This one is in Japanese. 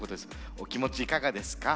お気持ちいかがですか？